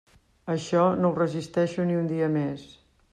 Això no ho resisteixo ni un dia més.